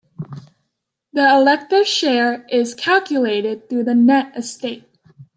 The elective share is calculated through the net estate.